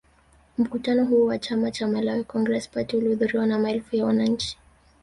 Mkutano huo wa chama cha Malawi Congress Party ulihudhuriwa na maelfu ya wananchi